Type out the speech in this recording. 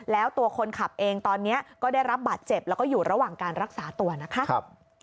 แล้วตัวคนขับเองตอนนี้ก็ได้รับบาดเจ็บแล้วก็อยู่ระหว่างการรักษาตัวนะคะ